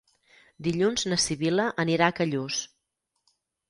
Dilluns na Sibil·la anirà a Callús.